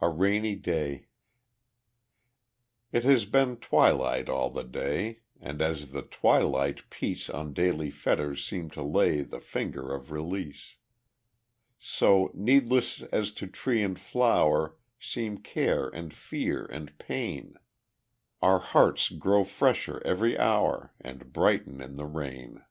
A Rainy Day It has been twilight all the day, And as the twilight peace On daily fetters seems to lay The finger of release, So, needless as to tree and flower Seem care and fear and pain; Our hearts grow fresher every hour, And brighten in the rain.